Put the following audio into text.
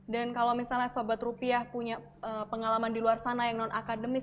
dan kalau misalnya sobat rupiah punya pengalaman di luar sana yang non akademis